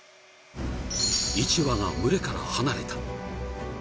１羽が群れから離れた。